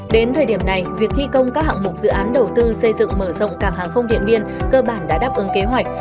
đến thời điểm này việc thi công các hạng mục dự án đầu tư xây dựng mở rộng cảng hàng không điện biên cơ bản đã đáp ứng kế hoạch